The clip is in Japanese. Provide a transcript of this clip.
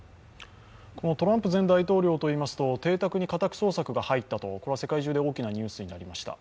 このトランプ前大統領といいますと邸宅に家宅捜索が入ったこれは世界中で大きなニュースになりました。